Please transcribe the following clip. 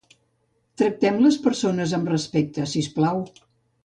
Tractem les persones amb respecte, siusplau.